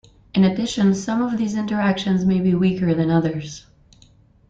In addition, some of these interactions may be weaker than others.